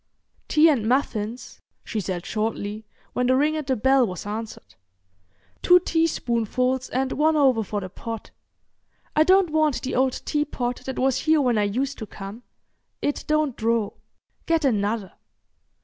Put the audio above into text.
"Tea and muffins," she said shortly, when the ring at the bell was answered; "two teaspoonfuls and one over for the pot. I don't want the old teapot that was here when I used to come. It don't draw. Get another."